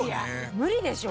無理でしょ！